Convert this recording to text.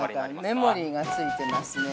◆メモリがついてますね。